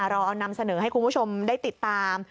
เราเอานำเสนอให้คุณผู้ชมได้ติดตาม